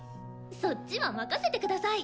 そっちは任せてください！